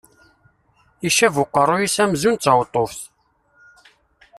Icab uqerruy-is amzu d tawḍuft.